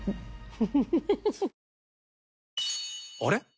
あれ？